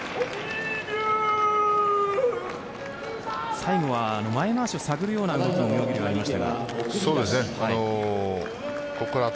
最後は前まわしを探るような動きがありました。